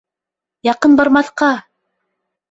— Яҡын бармаҫҡа!